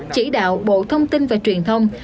chỉ đạo bộ thông tin và truyền thông